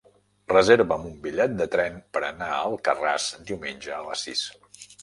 Reserva'm un bitllet de tren per anar a Alcarràs diumenge a les sis.